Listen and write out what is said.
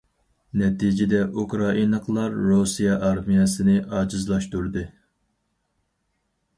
نەتىجىدە: ئۇكرائىنالىقلار رۇسىيە ئارمىيەسىنى ئاجىزلاشتۇردى.